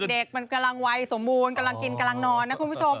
เด็กมันกำลังวัยสมบูรณ์กำลังกินกำลังนอนนะคุณผู้ชม